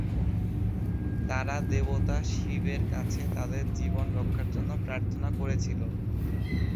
তারা দেবতা শিবের কাছে তাদের জীবন রক্ষার জন্য প্রার্থনা করেছিল।